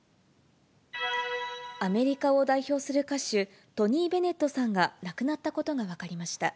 アメリカを代表する歌手、トニー・ベネットさんが亡くなったことが分かりました。